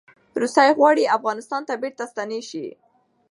روسې غواړي افغانستان ته بیرته ستنې شي.